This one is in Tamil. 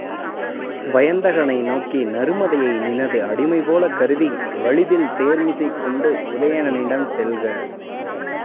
வயந்தகனை நோக்கி, நருமதையை நினது அடிமைபோலக் கருதி வலிதில் தேர்மிசைக் கொண்டு உதயணனிடம் செல்க.